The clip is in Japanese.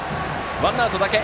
ワンアウトだけ。